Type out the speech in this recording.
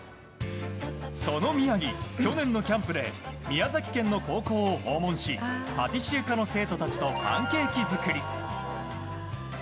その宮城、去年のキャンプで宮崎県の高校を訪問しパティシエ科の生徒たちとパンケーキ作り。